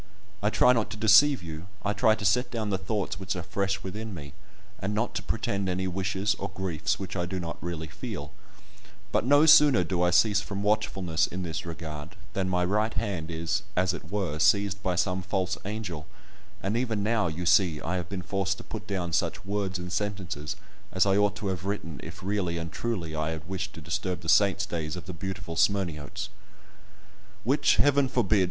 I try not to deceive you—I try to set down the thoughts which are fresh within me, and not to pretend any wishes, or griefs, which I do not really feel; but no sooner do I cease from watchfulness in this regard, than my right hand is, as it were, seized by some false angel, and even now, you see, I have been forced to put down such words and sentences as I ought to have written if really and truly I had wished to disturb the saints' days of the beautiful Smyrniotes! Which, Heaven forbid!